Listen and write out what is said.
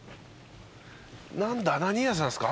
何だ何屋さんすか？